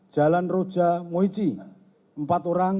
jalan roja moichi empat orang